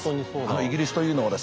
イギリスというのはですね